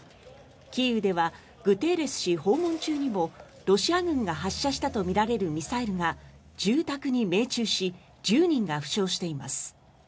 キーウではグテーレス氏訪問中にもロシア軍が発射したとみられるミサイルが住宅に命中し１０人が負傷しています。